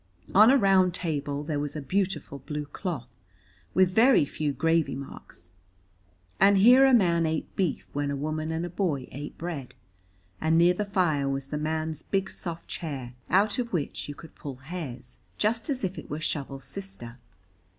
On a round table there was a beautiful blue cloth, with very few gravy marks, and here a man ate beef when a woman and a boy ate bread, and near the fire was the man's big soft chair, out of which you could pull hairs, just as if it were Shovel's sister.